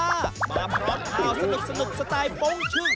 มาพร้อมข่าวสนุกสไตล์โป้งชุ่ม